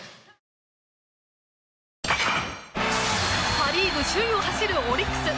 パ・リーグ首位を走るオリックス。